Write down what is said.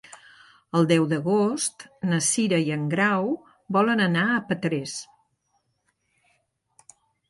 El deu d'agost na Cira i en Grau volen anar a Petrés.